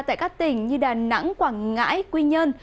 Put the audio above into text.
tại các tỉnh như đà nẵng quảng ngãi quy nhơn